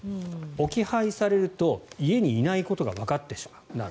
置き配されると家にいないことがわかってしまう。